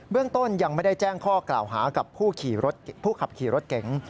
เรื่องต้นยังไม่ได้แจ้งข้อกล่าวหากับผู้ขับขี่รถเก๋ง